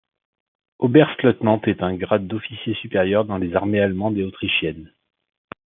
Oberstleutnant est un grade d’officier supérieur dans les armées allemande et autrichienne.